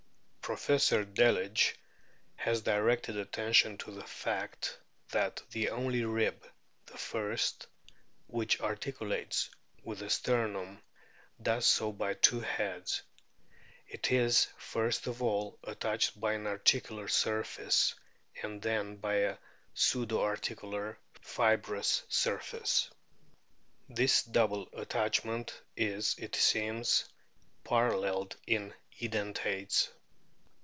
Professor Delage* has directed attention to the fact that the only rib (the first) which articulates with the sternum does so by two heads ; it is first of all attached by an articular surface, and then by a "pseudo articular" fibrous surface. This double attachment is, it seems, paralleled in Edentates.